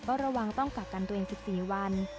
ก็ระวังต้องกักกันตัวเอง๑๔วัน